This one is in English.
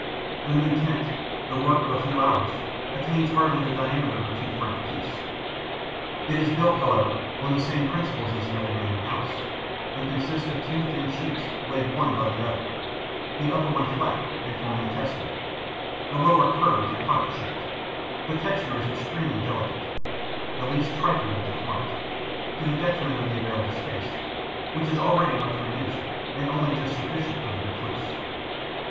The new tent, the work of a few hours, attains hardly the diameter of a two franc piece. It is built, however, on the same principles as the old manor house and consists of two thin sheets laid one above the other, the upper one flat and forming a tester, the lower curved and pocket shaped. The texture is extremely delicate: the least trifle would deform it, to the detriment of the available space, which is already much reduced and only just sufficient for the recluse.